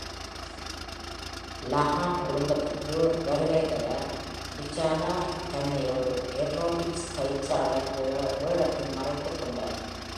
Lahad குடும்பத்திற்கு வருகை தர, Bechara தன்னை ஒரு ஏரோபிக்ஸ் பயிற்சியாளர் வேடத்தில் மறைத்துக் கொண்டார்.